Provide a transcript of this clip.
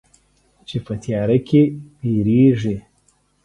چې په تیاره کې بیریږې